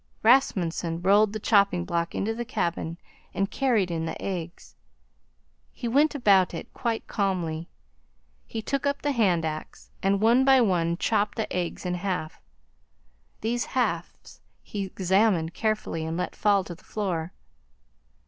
Rasmunsen rolled the chopping block into the cabin and carried in the eggs. He went about it quite calmly. He took up the hand axe, and, one by one, chopped the eggs in half. These halves he examined carefully and let fall to the floor.